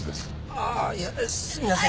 ああいやすみません。